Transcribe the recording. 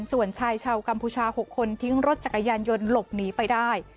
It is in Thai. ส่วนชายชาวกัมพูชา๖คนทิ้งรถจักรยานยนต์หลบหนีไปได้